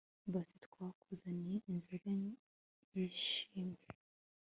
Bati twakuzaniye inzoga yishimwe